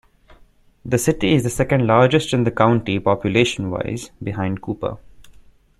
The city is the second largest in the county, population-wise, behind Cooper.